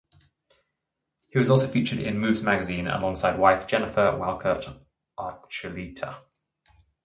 He was also featured in "Moves" magazine, alongside wife Jennifer Walcott Archuleta.